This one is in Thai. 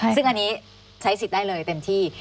ซึ่งอันนี้ใช้สิทธิ์ได้เลยเต็มที่